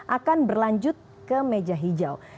akan berlanjut ke meja hijau